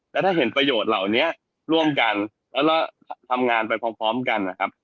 แล้วถ้าเห็นประโยชน์เหล่านี้ร่วมกันแล้วก็ทำงานไปพร้อมกันนะครับ